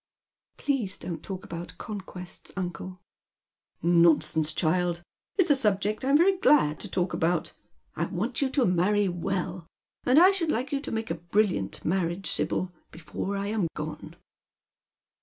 " Please don't talk about conquests, uncle." " Nonsense, child ! It's a subject I'm very giad to talk about. I want you to marry well. I should like you to make a brilliant marriage, Sibyl, before I am gone."